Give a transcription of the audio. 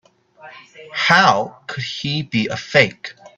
How could he be a fake?